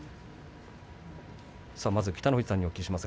まず北の富士さんに伺います。